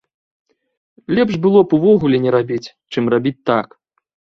Лепш было б увогуле не рабіць, чым рабіць так.